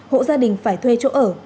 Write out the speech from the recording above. hộ gia đình phải thuê chỗ ở